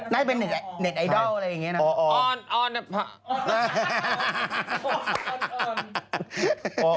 ได้เป็นเน็ตไอดอลอะไรอย่างนี้นะ